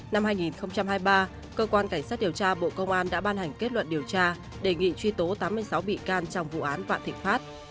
năm hai nghìn hai mươi ba cơ quan cảnh sát điều tra bộ công an đã ban hành kết luận điều tra đề nghị truy tố tám mươi sáu bị can trong vụ án vạn thịnh pháp